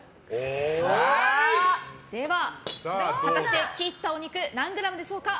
果たして切ったお肉何グラムでしょうか。